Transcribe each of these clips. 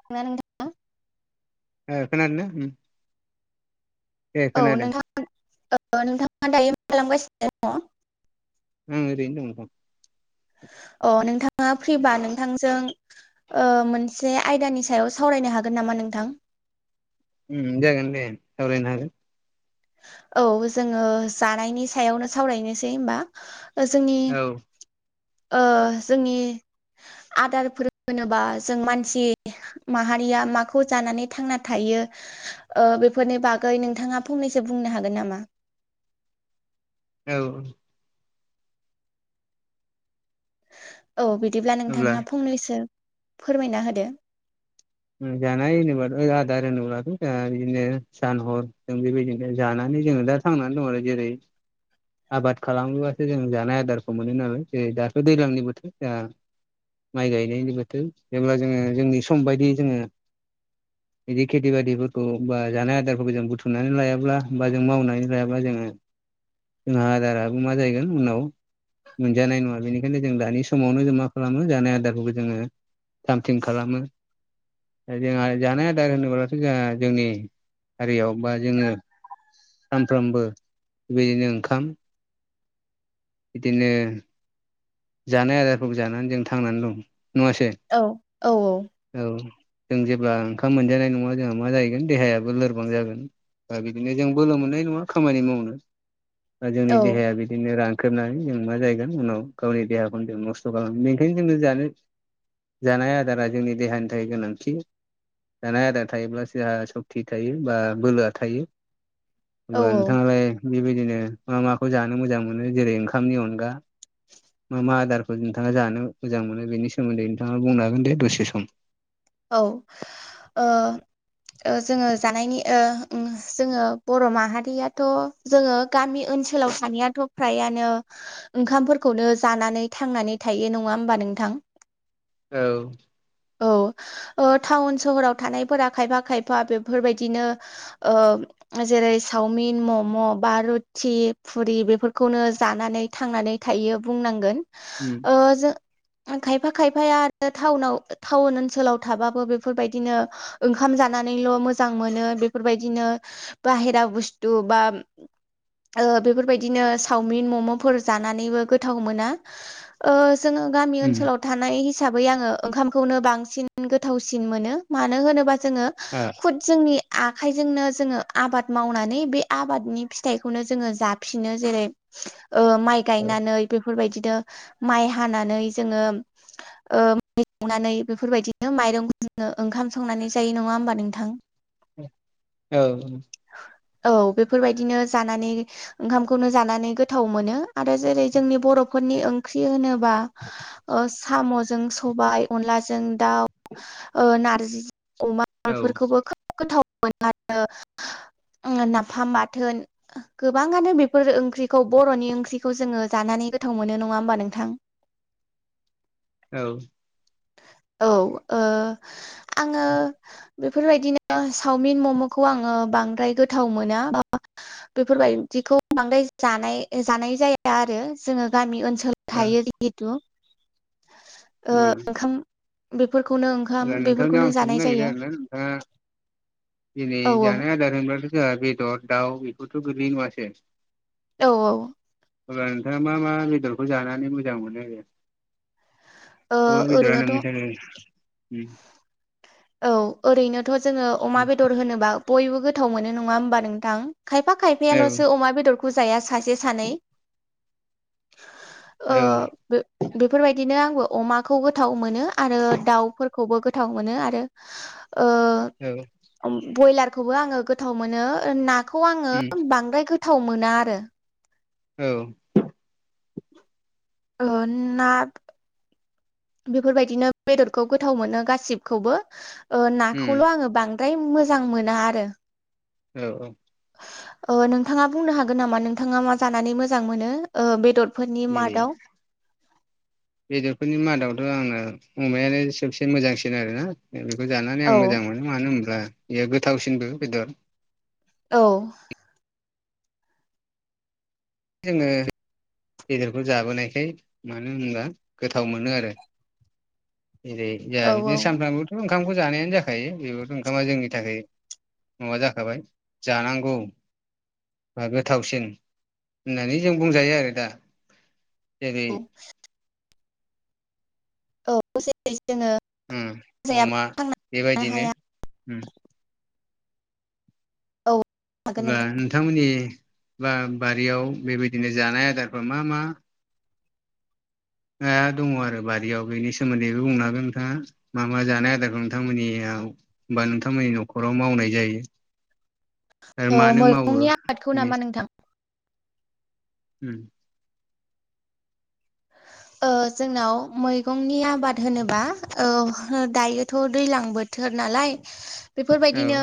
[unintelligible] ओ खोनादों ना? दे औ नोंथां औ नोंथाङा दायो मा खालामगासिनो दङ? ओं ओरैनो दं। औ नोंथाङा फ्रिबा नोंथांजों ओ मोनसे आयदानि सायाव सावरायनो हागोन नामा नोंथां? जागोन दे सावरायनो हागोन। औ जोङो जानायनि सायावनो सावरायनोसै होमबा जोंनि औ ओ जोंनि आदारफोर होनोबा जों मानसि माहारिया माखौ जानानै थांना थायो ओ बेफोरनि बागै नोंथाङा फंनैस बुंनो हागोन नामा औ औ बिदिब्ला अब्ला नोंथाङा फंनैसो फोरमायना होदो। जानाय होनोब्लाथ' आदार होनोब्लाथ' जोंहा बिदिनो सानहर जों बेबायदिनो जानानै जोङो दा थांनानै दं आरो जेरै आबाद खालामोबासो जों जानाय आदारखौ मोनो नालाय जेरै दाथ' दैज्लांनि बोथोर जोंहा माइ गायनायनायनि बोथोर जेब्ला जोङो जोंनि सम बायदि जोङो। बिदि खेथि बािफोरखौ बा जानाय आदारफोरखौबो जों बुथुमनानै लायाब्ला बा जों मावनानै लायाब्ला जोङो जोंहा आदाराबो मा जाहैगोन उनाव मोनजानाय नङा बेनिखायनो जों दानि समावनो जों मा खालामो जानाय आदारफोरखौ जोङो। थाम थिम खालामो जोंहा जानाय आदार होनोब्लाथ' जोंहा जोंनि हारियाव बा जोङो सानफ्रोमबो बेदिनो ओंखाम बिदिनो जानाय आदारफोरखौ जानानै जों थांनानै दं नङासै औ औ औ औ जों जेब्ला ओंखाम मोनजानाय नङा जोंहा मा जाहैगोन देहायाबो लोरबां जागोन दा बिदिनो जों बोलो मोननाय नङा खामानि मावनो ओ जोंनि औ देहाया बिदिनो रानख्रेनानै जों मा जाहैगोन उनाव गावनि देहाखौनो जों नस्थ' खालामो बेनिखायनो जोङो जानो जानाय आदारा जोंनि देहानि थाखाय गोनांथि जानाय आदार थायोब्ला जोहा सक्ति थायो बा बोलोआ थायो औ होमब्ला नोंथां बे बेबायदिनो मा माखौ जानो मोजां मोनो जेरै ओंखामनि अनगा मा मा आदारखौ नोंथाङा जानो मोजां मोनो बेनि सोमोन्दै नोंथाङा बुंनो हागोन दे दसे सम औ ओ ओ जोङो जानायनि जोङो बर' माहारियाथ' जोङो गामि ओनसोलाव थानायाथ' फ्रायानो ओंखामफोरखौनो जानानै थांनानै थायो नङा होमबा नोंथां औ औ ओ टाउन सोहराव थानायफोरा खायफा खायफा बेफोरबायदिनो ओम जेरै सावमिन मम' बा रुथि फुरि बेफोरखौनो जानानै थांनानै थायो बुंनांगोन उम ओ जों खायफा खायफाया आरो थाउनाव थाउन ओनसोलाव थाबाबो बेफोरबायदिनो ओंखाम जानानैल' मोजां मोनो बेफोरबायदिनो बाहिरा बस्तु बा ओ बेफोरबायदिनो सावमिन मम'फोर जानानैबो गोथाव मोना जोङो गामि उम ओनसोलाव थानाय हिसाबै आङो ओंखामखौनो बांसिन गोथावसिन मोनो मानो होनोबा जोङो ओ खुद जोंनि आखाइजोंनो जोङो आबाद मावनानै बे आबादनि फिथाइखौनो जोङो जाफिनो जेरै ओ माइ औ गायनानै बेफोरबायदिनो माइ हानानै जोङो ओ माइनानै बेफोरबायदि बिदिनो माइरंखौ जोङो ओंखाम संनानै जायो नङा होमबा नोंथां औ औ औ बेफोरबायदिनो जानानै ओंखामखौनो जानानै गोथाव मोनो आरो जेरै जोंनि बर'फोरनि ओंख्रि होनो बा ओ साम'जों सबाय अनलाजों दाउ ओ नारजि अमा औ बेफोरखौबो खोब गोथाव मोनो आरो नाफाम बाथोन गोबाङानो बेफोर ओंख्रिखौ बर'नि ओंख्रिखौ जोङो जानानै गोथाव मोनो नङा होमबा नोंथां औ औ ओ आङो बेफोरबायदिनो चावमिन मम'खौ आङो बांद्राय गोथाव मोना बेफोरबायदिखौ बांद्राय जानाय जानाय जाया आरो जोङो गामि ओनसोलाव थायो जितु उम बेफोरखौनो अब्ला ओंखाम नोंथांनियाव आं बेफोरखौनो सोंनो जानाय नागिरदों जायो आरोना नोंथाङा दिनै औ जानाय आदार होनब्लाथ' जोंहा बेदर दाउ बेखौथ' गोग्लैयो नङासो औ औ अब्ला नोंथांङा मा मा बेदरखौ जानानै मोजां मोनो आरो? ओ ओरैनोथ' [unintelligible] औ ओरैनोथ' जोंङो अमा उम बेदर होनोबा बयबो गोथाव मोनो नंङा होमबा नोंथां? खायफा खायफायाल'सो अमा बेदरखौ जाया सासे सानै? औ बेफोरबायदिनो आंबो अमाखौ गोथाव मोनो। आरो दाउफोरखौबो गोथाव गोथाव मोनो आरो औ- ब्रयलारखौबो आंङो गोथाव मोनो। नाखौ आंङो उम बांद्राय गोथाव मोना आरो औ ओ ना बेफोरबायदिनो बेदरखौ गोथाव मोनो गासिबखौबो। उम नाखौल' आंङो बांद्राय मोजां मोना आरो? औ औ नोंथांङा बुंनो हागोन नामा नोंथांङा मा जानानै मोजां मोनो? बेदरफोरनि नैबे मादाव बेदरफोरनि मादावथ' आं ना अमायानो सबसेन मोजांसिन आरो ना। बेखौ जानानै औ आं मोजां मोनो। मानो होनब्ला बेयो गोथावसिनबो बेदर। औ जोंङो बेदरखौ जाबोनायखाय मानो होनबब्ला गोथाव मोनो आरो जेरै जहा औ बिदिनो सानफ्रामबोथ' ओंखामखौ जानायानो जाखायो। बेबोथ' ओंखामा जोंनि थाखाय माबा जाखाबाय जानांगौ बा गोथावसिन होननानै जों बुंजायो आरो दा। ए औ औ जोंङो अमा बेबायदिनो हाया औ हागोन बा नोंथां नोंथांमोननि बा बारियाव बेबायदिनो जानाय आदारफ्रा मा मा? दा दंङ आरो बारियाव बेनि सोमोन्दैबो बुंनो हागोन नोंथांङा मा मा जानाय आदारखौ नोंथांमोननियावा नोंथांमोननि न'खराव मावनाय जायो? आरो ओ मानो मावो- मैगंनि उ आबादखौ नामा नोंथां ओ जोंनाव मैगंनि आबाद होनोबा? दायोथ' दैज्लां बोथोर नालाय औ बेफोरबायदिनो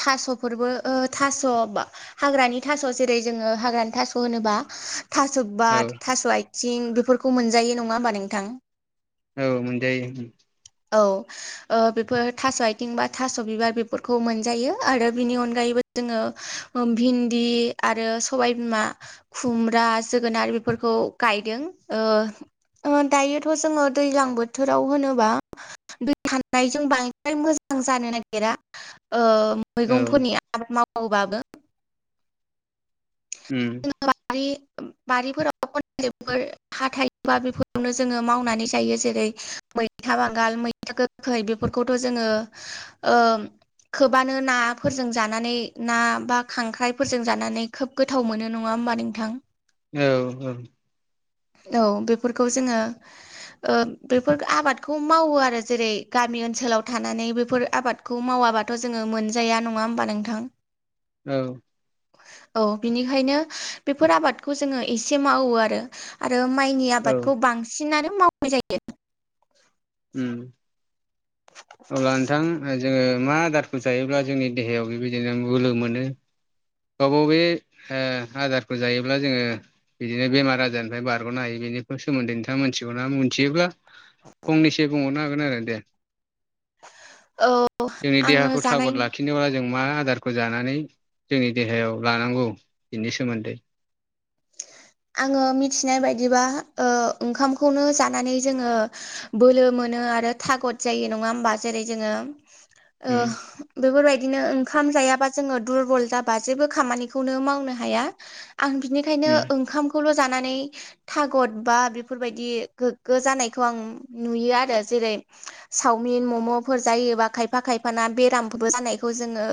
थास'फोरबो थास' बा हाग्रानि थास' जेरै जोंङो हाग्रानि थास' होनोबा थास' औ बिबार थास' आथिं बेफोरखौ मोनजायो नंङा होमबा नोंथां। औव मोनजायो। औ बेफोर थास' आथिं बा थास' बिबार बेफोरखौ मोनजायो आरो बिनि अनगायैबो जोंङो भिन्दि आरो सबायबिमा खुमब्रा जोगोनार बेफोरखौ गायदों। दायोथ' जोंङो दैज्लां बोथोराव होनोब्ला दै थानायजों बांद्राय मोजां जानो नागिरा औ मैगंफोरनिया? आबाद मावोबाबो उम बारि बारिफोराव खनलिफोर हा थायोबा बेफोरावनो जोंङो मावनानै जायो जेरै मैथा बांगाल मैथा गोखैय बेफोरखौथ' जोंङो खोबानो नाफोरजों जानानै ना बा खांख्राइफोरजों जानानै खोब गोथाव मोनो। नंङा होनोमबा नोंथां। औ औ औ बेफोरखौ जोङो बेफोर आबादखौ मावो आरो जेरै गामि ओनसोलाव थानानै बेफोर आबाद खौ मावाबाथ' जोङो मोनजाया नङा ओमबा नोंथां औ औ बिनिखायनो बेफोर आबादखौ जोङो एसे मावो आरो आरो माइनि औ औ आबादखौ बांसिनानो मावनाय जायो उम अब्ला नोंथां जोङो मा आदार खौ जायोब्ला जोंनि देहायाव बेबायदिनो बोलो मोनो गाव-गाव बे आदारखौ जायोब्ला जोङो बिदिनो बेमार आजारनिफ्राय बारग'नो हायो बेनि सोमोन्दै नोंथाङा मिथिगौ ना मिथियोब्ला [inaudible] फंनैसो बुंहरनो हागोन आरो दे जोंनि आङो देहाखौ जानाय थागद लाखि जेनेबा जों मा आदारखौ जानानै जोंनि देहायाव लानांगौ इनि सोमोन्दै आङो मिथिनाय बायदिबा ओ ओंखामखौनो जानानै जोङो बोलो मोनो आरो थागद जायो नङा ओमबा जेरै जोङो ओ उम बेफोरबायदिनो ओंखाम जायाबा जोङो दुरबल जाबा जेबो खामानिखौनो मावनो हाया आं बिनिखायनो उम ओंखामखौल' जानानै थागद बा बेफोरबायदि गोग्गो जानायखौ आं नुयो आरो जेरै सावमिन मम'फोर जायोबा खायफा खायफाना बेरामबो जानायखौ जोङो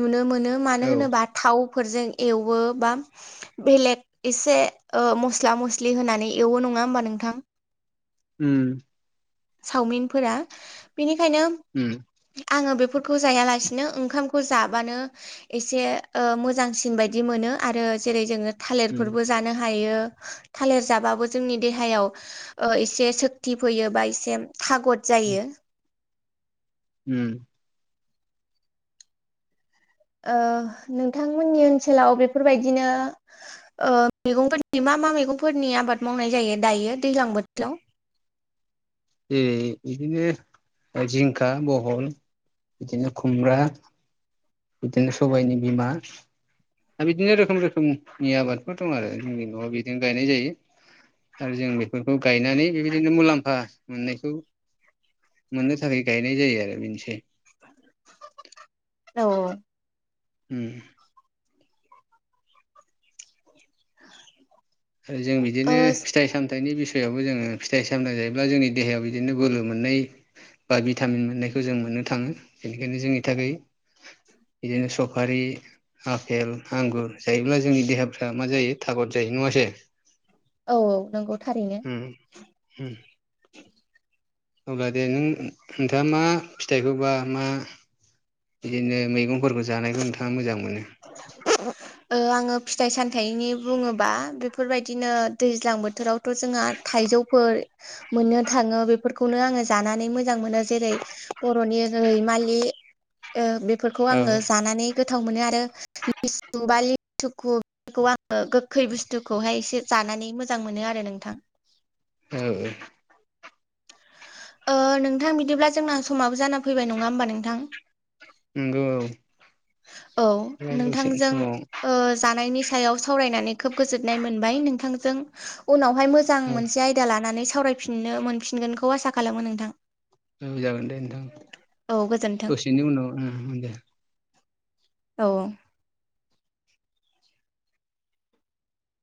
नुनो मोनो मानो औ होनोबा थावफोरजों एवो बा बेलेग एसे मस्ला मस्लि होनानै एवो नङा ओमबा नोंथां उम सावमिनफोरा बेनिखायनो उम आङो बेफोरखौ जायालासिनो ओंखामखौ जाबानो एसे ओ मोजांसिन बायदि मोनो आरो जेरै जोङो थालेरफोरबो जानो हायो थालेर जाबाबो जोंनि देहायाव एसे सक्ति फैयो बा एसे थागद उम जायो उम नोंथांमोननि ओनसोलाव बेफोरबायदिनो मैगंफोरनि मा मा मैगंफोरनि आबाद मावनाय जायो दायो दैज्लां बोथोराव जेरै बिदिनो जिंखा बहल बिदिनो खुमब्रा बिदिनो सबाइनि बिमा आरो बिदिनो रोखोम रोखोमनि आबादफोर दं आरो जोंनि न'वाव बिदिनो गायनाय जायो आरो जों बेफोरखौ गायनानै बेबायदिनो मुलाम्फा मोननायखौ मोननो थाखाय गायनाय जायो आरो बेनोसै औ औ उम [inaudible] आरो जों औ बिदिनो ओ औ फिथाइ सामथाइनि बि यावबो जोङो फिथाइ सामथाय जायोब्ला जोंनि देहायाव बिदिनो बोलो मोननाय बा भिटामिन मोननायखौ जों मोननो थाङो बेनिखायनो जोंनि थाखाय बिदिनो सफारि आफेल आंगुर जायोब्ला जोंनि देहाफ्रा मा जायो थागद जायो नङासै औ औ नंगौ थारैनो उम उम अब्ला दे नों नोंथाङा मा फिथाइखौबा मा बिदिनो मैगंफोरबो जानायखौ नोंथाङा मोजां मोनो [inaudible] आङो फिथाइ सामथाइनि बुङोबा बेफोरबायदिनो दैज्लां बोथोराव थ' जोंहा थाइजौफोर मोननो थाङो बेफोरखौनो आङो जानानै मोजां मोनो जेरै बर'नि रैमालि बेफोरखौ औ आङो जानानै गोथाव मोनो आरो लिसु बा लिथुखु खौ आङो गोखै बुस्थुखौहाय एसे जानानै मोजां मोनो आरो नोंथां औ औ नोंथां बिदिब्ला जोंना समाबो जाना फैबाय नङा होमबा नोंथां नंगौ औ दसे नोंथांजों समाव जानायनि सायाव सावरायनानै खोब गोजोननाय मोनबाय नोंथांजों उनावहाय मोजां औ मोजां मोनसे आयदा लानानै सावरायफिननो मोनफिनगोनखौ आसा खालामो नोंथां औ जागोन दे नोंथां औ गोजोन्थों दसेनि उनाव दे औ